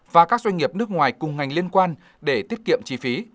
và các doanh nghiệp nước ngoài cùng ngành liên quan để tiết kiệm chi phí